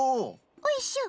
おいしょっ！